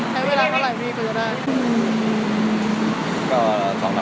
ใช้เวลาเท่าไหร่พี่ซื้อได้